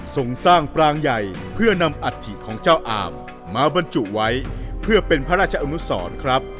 ส่งสร้างปรางใหญ่เพื่อนำอัฐิของเจ้าอามมาบรรจุไว้เพื่อเป็นพระราชอนุสรครับ